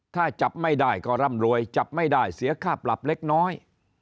ถ้าจับไม่ได้ก็ร่ำรวยจับไม่ได้เสียค่าปรับเล็กน้อย